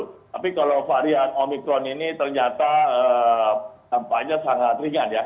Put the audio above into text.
tapi kalau varian omikron ini ternyata tampaknya sangat ringan ya